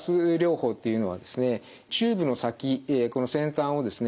チューブの先この先端をですね